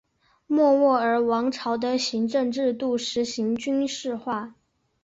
莫卧儿王朝的行政制度实行军事化。